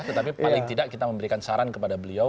tetapi paling tidak kita memberikan saran kepada beliau